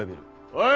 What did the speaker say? おい。